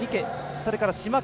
それから島川。